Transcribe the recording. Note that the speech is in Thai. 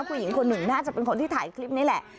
ผู้หญิงคนหนึ่งน่าจะเป็นคนที่ถ่ายคลิปนี้แหละ